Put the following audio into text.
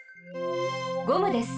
ゴムです。